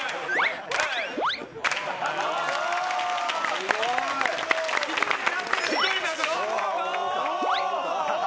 すごい！お！